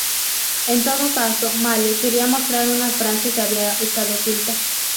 En todo caso, Malle quería mostrar una Francia que había estado oculta.